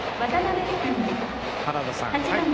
原田さん